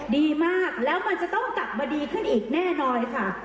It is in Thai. ดีมากแล้วมันจะต้องกลับมาดีขึ้นอีกแน่นอนค่ะ